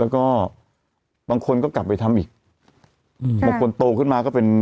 แล้วก็บางคนก็กลับไปทำอีกอืมบางคนโตขึ้นมาก็เป็น